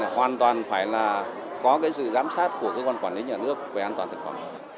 hoàn toàn phải có sự giám sát của cơ quan quản lý nhà nước về an toàn thực phẩm